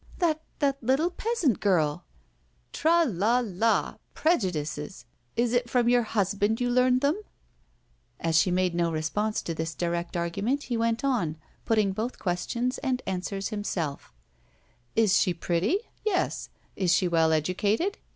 "That that little peasant girl!" "Tra! la! la! Prejudices! Is it from your husband you learned them?" As she made no response to this direct argument, he went on, putting both questions and answers himself: "Is she pretty? Yes! Is she well educated?